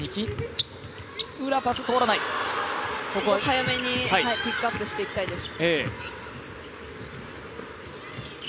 早めにピックアップしていきたいです。